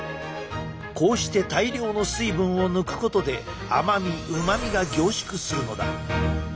こうして大量の水分を抜くことで甘みうまみが凝縮するのだ。